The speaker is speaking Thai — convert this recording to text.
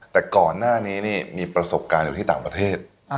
แต่ก่อนหน้านี้นี่มีประสบการณ์อยู่ที่ต่างประเทศ